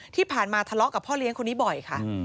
ที่ผ่านมาทะเลาะกับพ่อเลี้ยงคนนี้บ่อยค่ะ